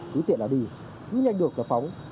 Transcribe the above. thú tiện là đi nhưng nhanh được là phóng